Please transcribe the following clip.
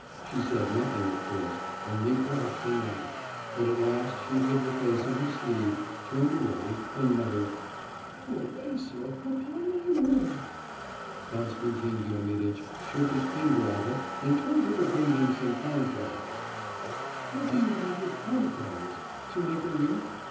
She said nothing at first, only blushed and laughed, but at last she hid her face in her sleeve, turned away, and muttered: 'Go away, sir; upon my word...' Konstantin Diomiditch shook his finger at her and told her to bring him some cornflowers. 'What do you want with cornflowers? to make a wreath?